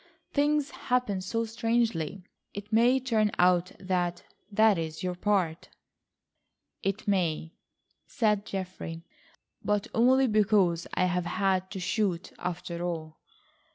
Things happen so strangely. It may turn out that that is your part." "It may," said Geoffrey, "but only because I have had to shoot after all."